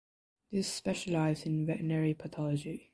This specialised in veterinary pathology.